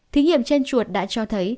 thí nghiệm trên chuột đã cho thấy